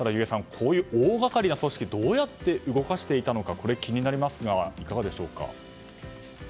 こういう大掛かりな組織をどうやって動かしていたのか気になりますが、いかがですか。